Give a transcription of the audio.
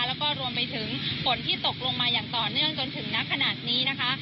แล้วก็รวมไปถึงฝนที่ตกลงมาอย่างต่อเนื่องจนถึงนักขนาดนี้นะคะ